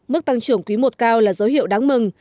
mức tăng trưởng quý i cao là dấu hiệu đáng mừng